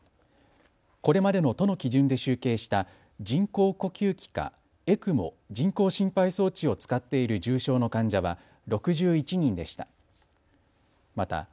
これまでの都の基準で集計した人工呼吸器かＥＣＭＯ・人工心肺装置を使っている重症の患者は６１人でした。